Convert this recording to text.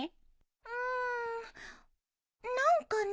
うん何かね